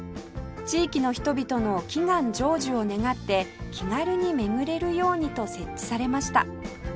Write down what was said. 地域の人々の祈願成就を願って気軽に巡れるようにと設置されました